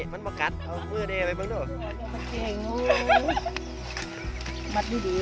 มันประกัดหน่อยเอามือเด้อไปดู